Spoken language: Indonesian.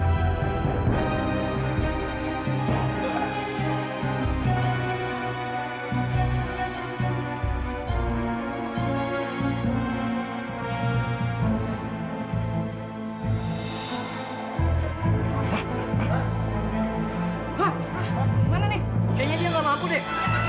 hah hah mana nih kayaknya dia gak mampu deh